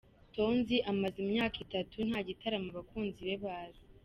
Tonzi amaze imyaka itatu nta gitaramo abakunzi be bazi.